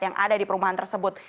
yang ada di perumahan tersebut